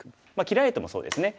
切られてもそうですね。